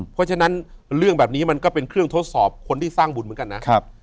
เพราะฉะนั้นเรื่องแบบนี้มันก็เป็นเครื่องทดสอบคนที่สร้างบุญเหมือนกันนะ